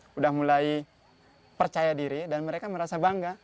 sudah mulai percaya diri dan mereka merasa bangga